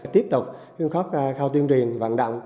tiếp tục khó khăn khao tuyên truyền vạn động